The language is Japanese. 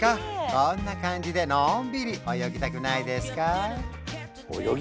こんな感じでのんびり泳ぎたくないですか？